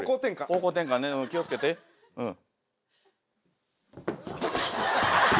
方向転換ね気を付けてうん。